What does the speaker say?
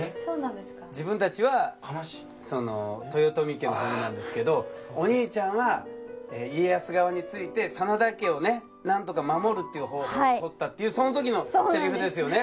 自分達はその豊臣家の方なんですけどお兄ちゃんは家康側について真田家をね何とか守るっていう方法をとったっていうそのときのセリフですよね